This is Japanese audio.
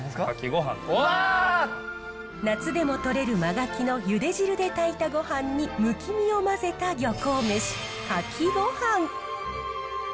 うわ！夏でもとれる真ガキのゆで汁で炊いたごはんにむき身を混ぜた漁港めしカキごはん。